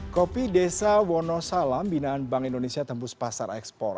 kopi desa wonosalam binaan bank indonesia tembus pasar ekspor